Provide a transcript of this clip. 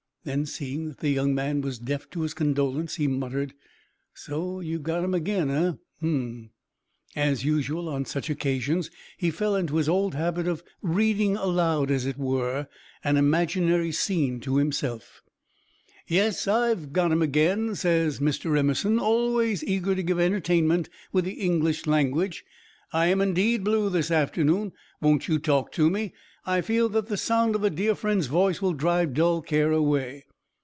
Then, seeing that the young man was deaf to his condolence, he muttered: "So, you've got 'em again, eh? Um!" As usual on such occasions, he fell into his old habit of reading aloud, as it were, an imaginary scene to himself: "'Yes, I've got 'em again,' says Mr. Emerson, always eager to give entertainment with the English language. 'I am indeed blue this afternoon. Won't you talk to me? I feel that the sound of a dear friend's voice will drive dull care away.'